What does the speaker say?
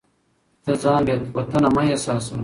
ته ځان بې وطنه مه احساسوه.